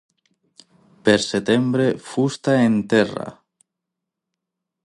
Pel setembre, fusta en terra.